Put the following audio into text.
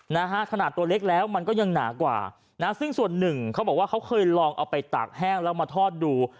นะฮะขนาดตัวเล็กแล้วมันก็ยังหนากว่านะซึ่งส่วนหนึ่งเขาบอกว่าเขาเคยลองเอาไปตากแห้งแล้วมาทอดดู